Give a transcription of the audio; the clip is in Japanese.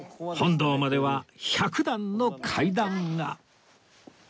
本堂までは１００段の階段が